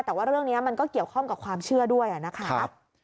แต่ว่าเรื่องนี้มันก็เกี่ยวข้องกับความเชื่อด้วยนะคะ